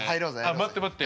あっ待って待って。